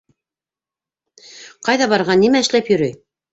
Ҡайҙа барған, нимә эшләп йөрөй?